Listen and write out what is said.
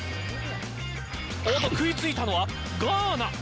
食いついたのはガーナ。